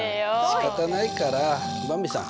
しかたないからばんびさん。